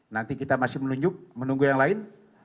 nanti kita masih menunjuk menunggu yang lain